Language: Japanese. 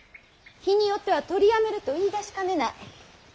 日によっては取りやめると言いだしかねない。